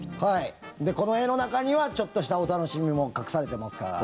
この絵の中には、ちょっとしたお楽しみも隠されていますから。